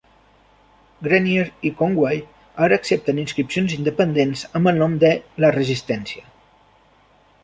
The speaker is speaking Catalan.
Grenier i Conway ara accepten inscripcions independents amb el nom de "La Resistència".